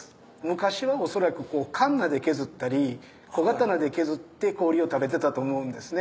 昔は恐らくカンナで削ったり小刀で削って氷を食べてたと思うんですね。